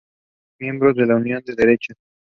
Miembro de la Unión de Derechas.